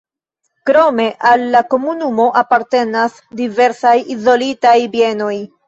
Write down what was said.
Krome al la komunumo apartenas diversaj izolitaj bienoj.